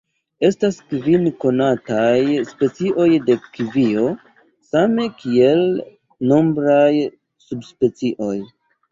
Estas kvin konataj specioj de kivio, same kiel nombraj subspecioj.